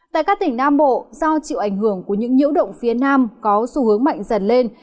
tại các tỉnh nam bộ do chịu ảnh hưởng của những nhiễu động phía nam có xu hướng mạnh dần lên